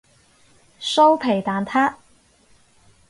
酥皮蛋撻